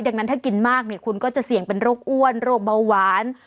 ดังนั้นถ้ากินมากเนี่ยคุณก็จะเสี่ยงเป็นโรคอ้วนโรคเบาหวาน